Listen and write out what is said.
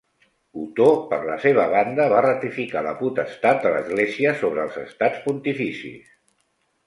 Otó per la seva banda va ratificar la potestat de l'Església sobre els Estats Pontificis.